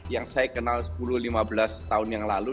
yang saya kenal sepuluh lima belas tahun yang lalu